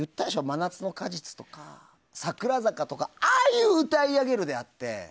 「真夏の果実」とか「桜坂」とかああいう歌い上げるであって。